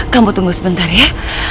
kamu tunggu sebentar ya